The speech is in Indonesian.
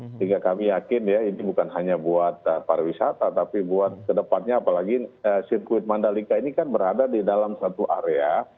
sehingga kami yakin ya ini bukan hanya buat pariwisata tapi buat kedepannya apalagi sirkuit mandalika ini kan berada di dalam satu area